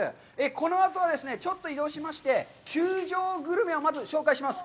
このあとはですね、ちょっと移動しまして、球場グルメをまず紹介します。